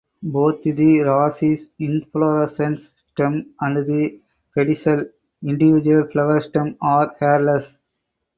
Both the rachis (inflorescence stem) and the pedicel (individual flower stem) are hairless.